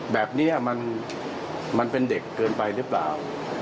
แบบนี้มันเป็นเด็กเกินไปหรือเปล่า